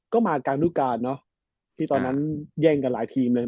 ก็มากลางรูปการณ์เนอะที่ตอนนั้นแย่งกันหลายทีมเลย